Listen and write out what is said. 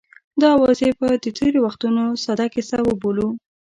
دا اوازې باید د تېرو وختونو ساده کیسه وبولو.